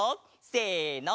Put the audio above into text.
せの！